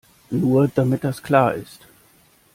Nur, damit das klar ist.